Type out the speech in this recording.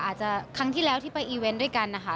อาจจะครั้งที่แล้วที่ไปอีเวนต์ด้วยกันนะคะ